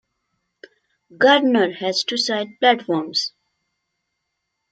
Gardiner has two side platforms.